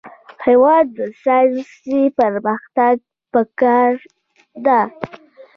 هېواد ته ساینسي پرمختګ پکار دی